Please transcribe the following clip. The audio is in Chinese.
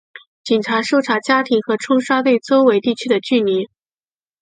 警察搜查家庭和冲刷对周围地区的距离。